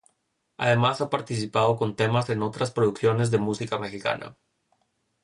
Además ha participado con temas en otras producciones de música mexicana.